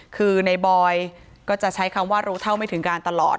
คือในบอยก็จะใช้คำว่ารู้เท่าไม่ถึงการตลอด